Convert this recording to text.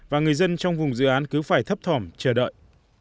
và người dân trong vùng dự án cứ phải thấp thỏm chờ đợi